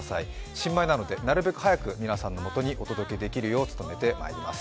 新米なので、なるべく早く皆さんのもとにお届けできるよう努めます。